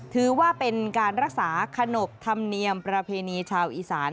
ถือว่าเป็นการรักษาขนบธรรมเนียมประเพณีชาวอีสาน